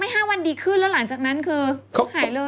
๕วันดีขึ้นแล้วหลังจากนั้นคือเขาหายเลย